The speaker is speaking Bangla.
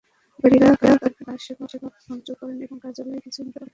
বিক্ষোভকারীরা কারখানার আসবাব ভাঙচুর করেন এবং কার্যালয়ে কিছু নথিপত্রে আগুন ধরিয়ে দেন।